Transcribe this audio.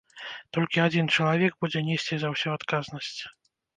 Толькі адзін чалавек будзе несці за ўсё адказнасць.